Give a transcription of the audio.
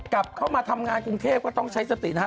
กลับเข้ามาทำงานกรุงเทพก็ต้องใช้สตินะฮะ